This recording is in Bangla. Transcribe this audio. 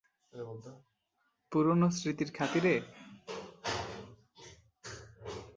পুরনো স্মৃতির খাতিরে?